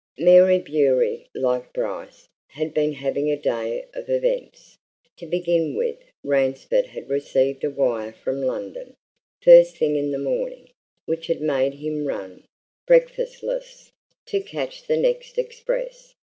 Mary Bewery, like Bryce, had been having a day of events. To begin with, Ransford had received a wire from London, first thing in the morning, which had made him run, breakfastless, to catch the next express.